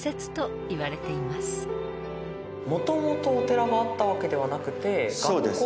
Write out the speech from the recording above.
もともとお寺があったわけではなくて。